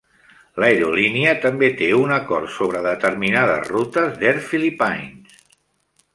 L'aerolínia també té un acord sobre determinades rutes d'Air Philippines.